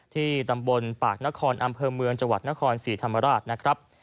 ที่ตำบลปากนครอำเภอเมืองจังหวัดนครศรีธรรมราชนะครับ